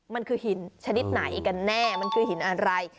มันคือหินชนิดไหนกันแน่มันคือหินอะไร